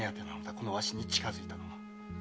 このわしに近づいたのは。